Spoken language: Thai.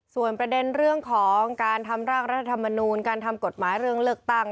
ส่วนประเด็นเรื่องของการทำร่างรัฐธรรมนูลการทำกฎหมายเรื่องเลือกตั้ง